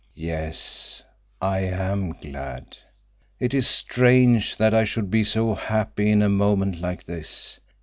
"Yes—I am glad. It is strange that I should be so happy in a moment like this.